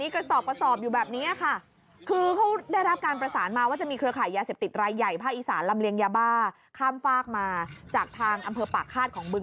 เขาได้รับการประสานมาจากไหนโอ้โหดูดิ